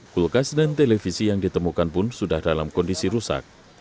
kulkas dan televisi yang ditemukan pun sudah dalam kondisi rusak